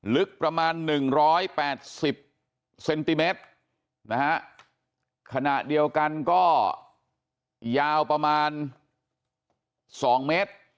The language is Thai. ลึกประมาณ๑๘๐เซนติเมตรนะฮะขณะเดียวกันก็ยาวประมาณ๒เมตร